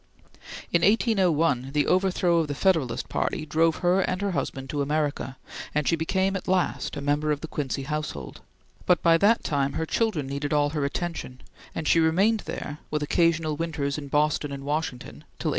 In 1801 the overthrow of the Federalist Party drove her and her husband to America, and she became at last a member of the Quincy household, but by that time her children needed all her attention, and she remained there with occasional winters in Boston and Washington, till 1809.